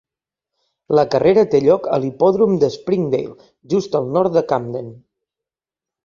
La carrera té lloc a l'hipòdrom de Springdale, just al nord de Camden.